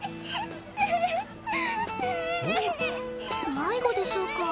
迷子でしょうか？